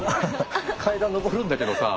階段上るんだけどさぁ。